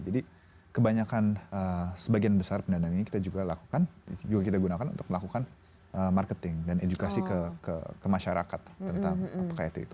jadi kebanyakan sebagian besar pendanaan ini kita juga lakukan juga kita gunakan untuk melakukan marketing dan edukasi ke masyarakat tentang apa kayak itu